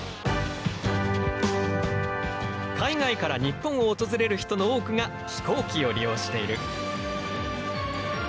海外から日本を訪れる人の多くが飛行機を利用している。